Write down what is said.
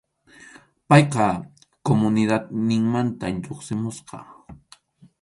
Payqa comunidadninmanta lluqsimusqa.